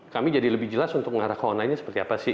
kami jadi lebih jelas untuk mengarah ke online nya seperti apa sih